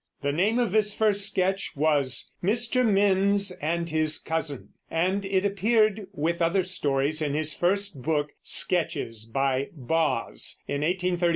The name of this first sketch was "Mr. Minns and his Cousin," and it appeared with other stories in his first book, Sketches by Boz, in 1835.